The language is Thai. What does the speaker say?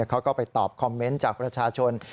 เขาก็ไปตอบคอมเมนต์จากประชาชน